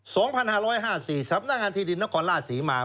๒๕๕๔สำนักงานที่ดินนครราชศรีมา